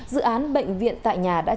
dự án bệnh viện tại nhà đã